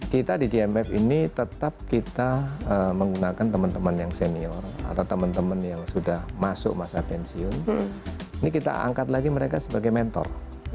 kita di gmf ini tetap kita menggunakan teman teman yang senior atau teman teman yang sudah masuk masa pensiun ini kita angkat lagi mereka sebagai mentor